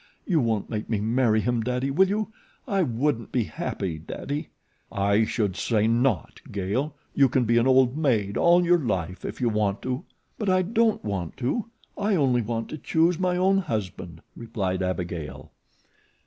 You won't make me marry him, Daddy, will you? I wouldn't be happy, Daddy." "I should say not, Gail; you can be an old maid all your life if you want to." "But I don't want to I only want to choose my own husband," replied Abigail.